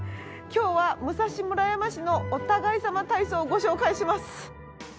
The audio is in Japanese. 今日は武蔵村山市のお互いさま体操をご紹介します。